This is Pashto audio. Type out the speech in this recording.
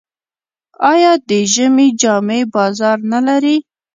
آیا د ژمي جامې بازار نلري؟